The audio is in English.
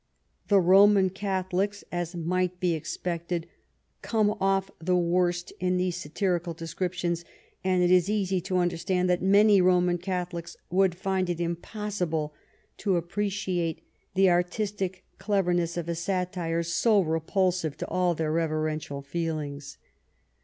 The Roman Catholics, as might be expected, come off the worst in these satirical descriptions, and it is easy to understand that many Roman Catholics would find it impossible to appreciate the artistic cleverness of a satire so repul sive to all their reverential feelings.